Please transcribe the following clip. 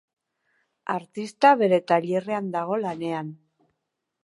Artista bere tailerrean dago lanean.